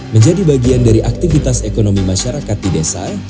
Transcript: menjadi bagian dari aktivitas ekonomi masyarakat di desa